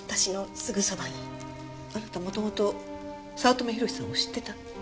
あなたもともと早乙女宏志さんを知ってた？